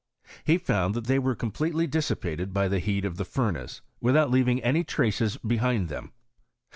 He found that they were completely dissipated by the heat of the furnace, without leaving any traces behind them.